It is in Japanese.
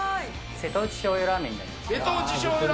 瀬戸内しょうゆラーメンにな